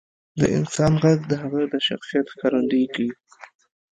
• د انسان ږغ د هغه د شخصیت ښکارندویي کوي.